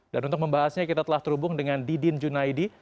dan untuk membahasnya kita telah terhubung dengan didin junaidi